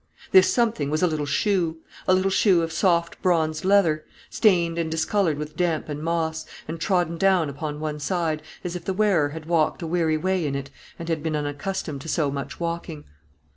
This something was a little shoe; a little shoe of soft bronzed leather, stained and discoloured with damp and moss, and trodden down upon one side, as if the wearer had walked a weary way in it, and had been unaccustomed to so much walking.